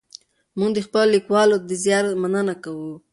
موږ د خپلو لیکوالو د زیار مننه کوو.